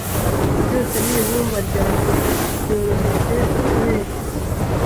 byose nibumba ryanjye Byoroheje ukoresha